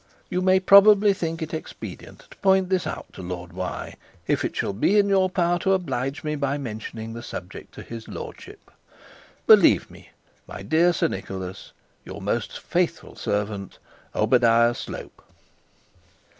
You may probably think it expedient to point this out to Lord if it shall be in your power to oblige me by mentioning the subject to his lordship. 'Believe me, my dear Sir Nicholas, 'Your most faithful servant, OBADIAH SLOPE.'